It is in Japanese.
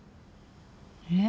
えっ？